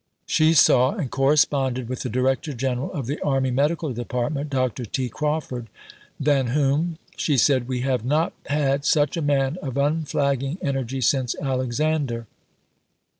She saw and corresponded with the Director General of the Army Medical Department, Dr. T. Crawford, than whom, she said, "we have not had such a man of unflagging energy since Alexander."